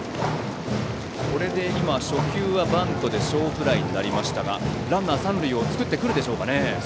これで、初球はバントで小フライとなりましたがランナー、三塁を作ってくるでしょうか。